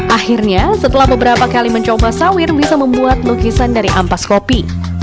akhirnya setelah beberapa kali mencoba sawir bisa membuat lukisan dari ampas kopi